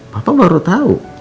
papa baru tau